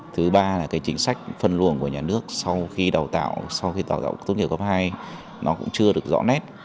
thứ ba là chính sách phân luận của nhà nước sau khi đào tạo sau khi tạo tốt nghiệp cấp hai nó cũng chưa được rõ nét